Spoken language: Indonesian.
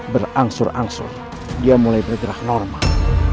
berangsur angsur dia mulai bergerak normal